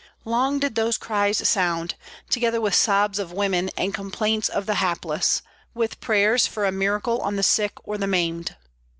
Long did those cries sound, together with sobs of women and complaints of the hapless, with prayers for a miracle on the sick or the maimed.